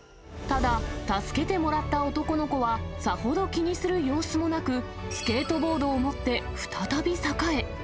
ただ、助けてもらった男の子はさほど気にする様子もなく、スケートボードを持って、再び坂へ。